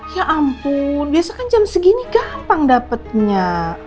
ya ampun biasa kan jam segini gampang dapatnya